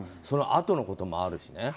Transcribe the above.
そのあとのこともあるし。